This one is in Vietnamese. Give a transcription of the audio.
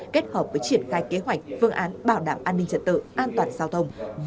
kết hợp với triển khai kế hoạch phương án bảo đảm an ninh trật tự an toàn giao thông